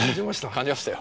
感じましたよ。